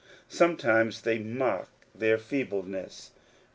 Sometimes tjiey mock their feebleness.